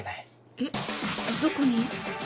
えっどこに？